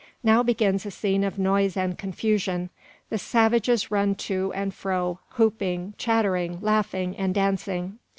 Now begins a scene of noise and confusion. The savages run to and fro, whooping, chattering, laughing, and dancing.